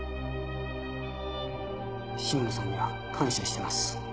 嶋野さんには感謝してます。